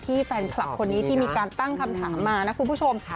แฟนคลับคนนี้ที่มีการตั้งคำถามมานะคุณผู้ชม